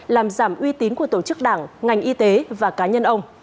làm giảm uy tín của tổ chức đảng ngành y tế và cá nhân ông